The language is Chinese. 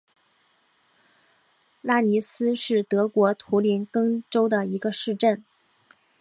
拉尼斯是德国图林根州的一个市镇。